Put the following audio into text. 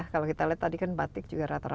kalau kita lihat tadi kan batik juga rata rata